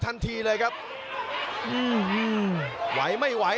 สตานท์ภพล็อกนายเกียรติป้องยุทเทียร์